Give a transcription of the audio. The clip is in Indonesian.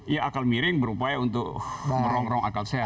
ya akal miring berupaya untuk merongrong akal sehat